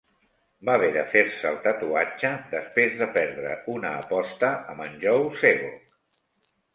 Va haver de fer-se el tatuatge després de perdre una aposta amb en Joe Sebok.